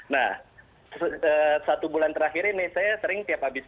nah satu bulan terakhir ini saya sering tiap habis